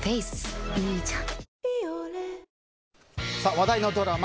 話題のドラマ